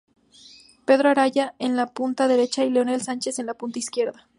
Pedro Araya en la punta derecha y Leonel Sánchez en la punta izquierda.